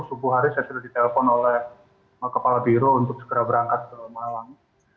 subuh hari saya sudah ditelepon oleh kepala biro untuk segera berangkat ke malang